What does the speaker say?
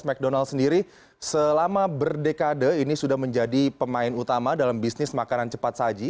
⁇ cdonald sendiri selama berdekade ini sudah menjadi pemain utama dalam bisnis makanan cepat saji